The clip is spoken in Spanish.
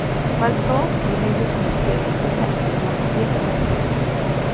Falto de medios financieros, esa iconografía jamás se publicó.